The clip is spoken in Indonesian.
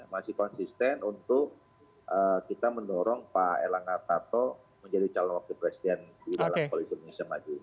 masih konsisten untuk kita mendorong pak erlangga tarto menjadi calon wakil presiden di dalam koalisi indonesia maju